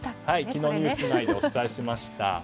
昨日、ニュース内でお伝えしました。